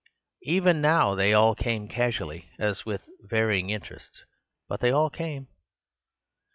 Even now they all came casually, as with varying interests; but they all came.